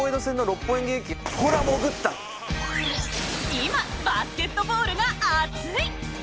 今バスケットボールが熱い！